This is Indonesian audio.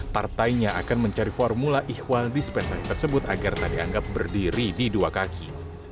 partainya akan mencari formula ihwal dispensasi tersebut agar tak dianggap berdiri di dua kaki